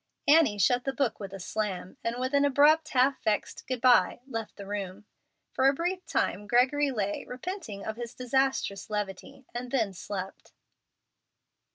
Annie shut the book with a slam, and with an abrupt, half vexed "good by," left the room. For a brief time Gregory lay repenting of his disastrous levity, and then slept.